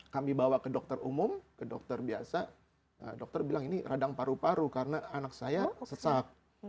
kami bawa ke dokter umum ke dokter biasa dokter bilang ini radang paru paru karena anak saya sesak